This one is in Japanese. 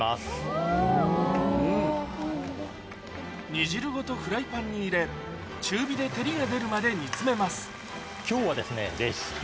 煮汁ごとフライパンに入れ中火で照りが出るまで煮詰めます